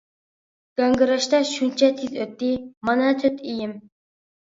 گاڭگىراشتا شۇنچە تېز، ئۆتتى مانا تۆت ئېيىم.